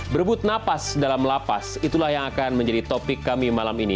berebut napas dalam lapas itulah yang akan menjadi topik kami malam ini